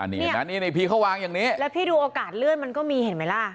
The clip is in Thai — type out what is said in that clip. นี่เห็นไหมนี่พี่เขาวางอย่างนี้แล้วพี่ดูโอกาสเลื่อนมันก็มีเห็นไหมล่ะ